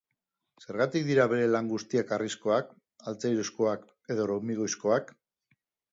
Zergatik dira bere lan guztiak harrizkoak, altzairuzkoak edo hormigoizkoak?